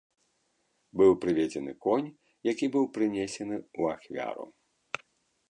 Быў прыведзены конь, які быў прынесены ў ахвяру.